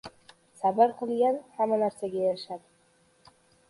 • Sabr qilgan hamma narsaga erishadi.